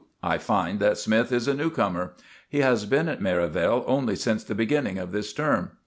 I find that Smythe is a newcomer. He has been at Merivale only since the beginning of this term.